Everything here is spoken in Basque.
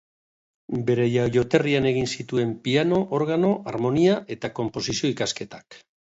Bere jaioterrian egin zituen piano-, organo-, harmonia- eta konposizio-ikasketak.